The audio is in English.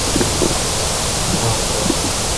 All these were unsuccessful.